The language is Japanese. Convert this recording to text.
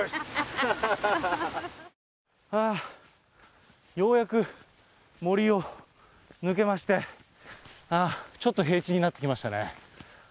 ああ、ようやく森を抜けまして、あー、ちょっと平地になってきましたね。